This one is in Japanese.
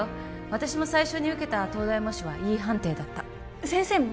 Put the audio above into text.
私も最初に受けた東大模試はＥ判定だった先生も？